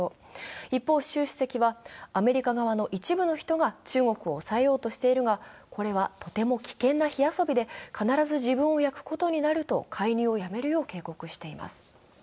一方習主席はアメリカ側の一部の人が中国を抑えようとしているがこれはとても危険な火遊びで必ず自分を焼くことになると介入をやめるよう警告しています。